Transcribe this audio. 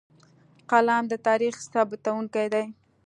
قلم د تاریخ ثبتونکی دی.